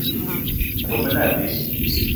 Metom me ne abe.